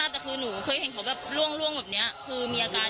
เขาก็ต้องส่งเสียทั้งพ่อทั้งแม่เขาเหมือนกัน